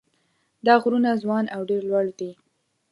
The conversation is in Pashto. دا غرونه ځوان او ډېر لوړ دي.